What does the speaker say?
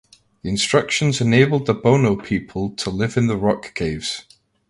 The instructions enabled the Bono people to live in the rock caves.